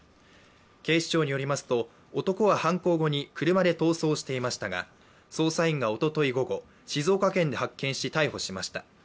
警視庁によりますと、男は犯行後に車で逃走していましたが捜査員がおととい午後、静岡県で発見し、逮捕しました。